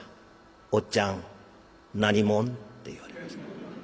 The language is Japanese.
「おっちゃん何者？」って言われました。